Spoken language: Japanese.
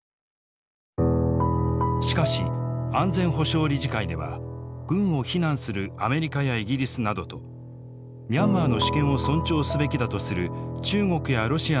しかし安全保障理事会では軍を非難するアメリカやイギリスなどとミャンマーの主権を尊重すべきだとする中国やロシアなどとの対立が表面化。